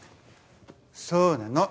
そうなの。